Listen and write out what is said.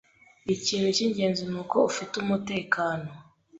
Ikintu cyingenzi nuko ufite umutekano.